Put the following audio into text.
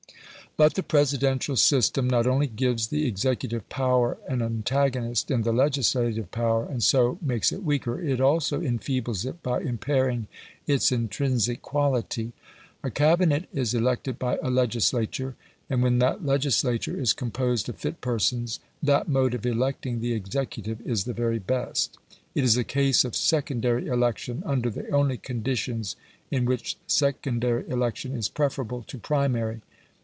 But the Presidential system not only gives the executive power an antagonist in the legislative power, and so makes it weaker; it also enfeebles it by impairing its intrinsic quality. A Cabinet is elected by a legislature; and when that legislature is composed of fit persons, that mode of electing the executive is the very best. It is a case of secondary election, under the only conditions in which secondary election is preferable to primary.